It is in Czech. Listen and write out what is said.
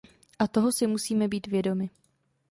A toho si musíme být vědomi.